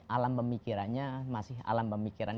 alam pemikirannya masih alam pemikiran